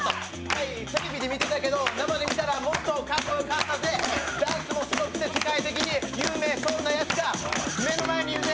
テレビで見てたけど生で見たらもっとかっこよかったぜ、ダンスもすごくて世界的にも有名、そんなやつが目の前にいるぜ。